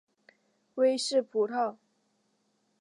威氏葡萄